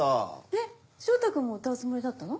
えっ翔太君も歌うつもりだったの？